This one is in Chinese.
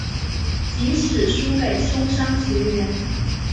即使输给松商学园。